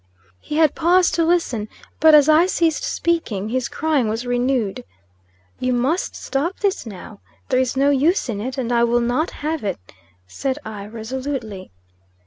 He had paused to listen; but, as I ceased speaking, his crying was renewed. "You must stop this now. There is no use in it, and I will not have it," said I, resolutely.